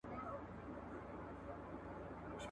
مطربه ما دي په نغمه کي غزل وپېیله ,